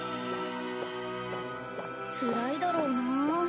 つらいだろうなあ。